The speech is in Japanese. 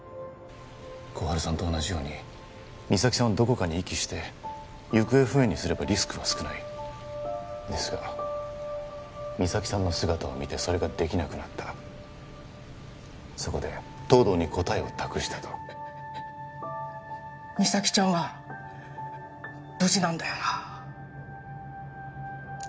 心春さんと同じように実咲さんをどこかに遺棄して行方不明にすればリスクは少ないですが実咲さんの姿を見てそれができなくなったそこで東堂に答えを託したと実咲ちゃんは無事なんだよな？